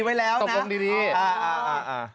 แต่เค้าตกลงกันดีไว้แล้วนะ